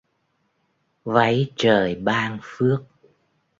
Váy trời ban phước